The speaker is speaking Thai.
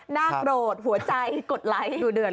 หน้ากรดหัวใจกดไลค์